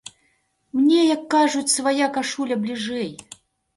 Мне, як кажуць, свая кашуля бліжэй.